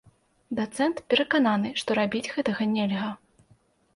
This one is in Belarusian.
Дацэнт перакананы, што рабіць гэтага нельга.